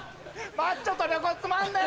マッチョと旅行つまんねえ！